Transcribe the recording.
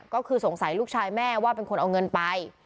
ก็คือสงสัยลูกชายแม่ว่าเป็นคนเอาเงินไป